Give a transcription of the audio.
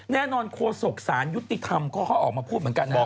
แน่นอนโครสกศาลยุติธรรมก็เขาออกมาพูดเหมือนกันนะครับ